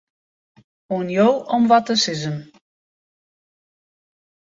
Oan jo om wat te sizzen.